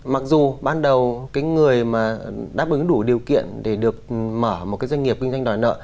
mặc dù ban đầu cái người mà đáp ứng đủ điều kiện để được mở một cái doanh nghiệp kinh doanh đòi nợ